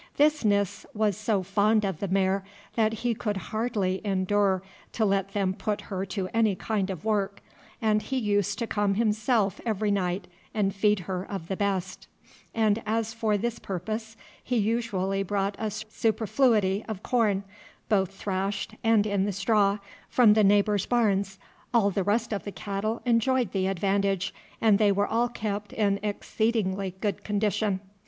This Nis was so fond of the mare that he could hardly endure to let them put her to any kind of work, and he used to come himself every night and feed her of the best; and as for this purpose he usually brought a superfluity of corn, both thrashed and in the straw, from the neighbours' barns, all the rest of the cattle enjoyed the advantage, and they were all kept in exceedingly good condition.